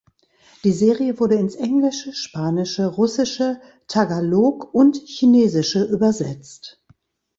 Die Serie wurde ins Englische, Spanische, Russische, Tagalog und Chinesische übersetzt.